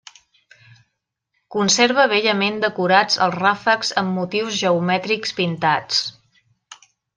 Conserva bellament decorats els ràfecs amb motius geomètrics pintats.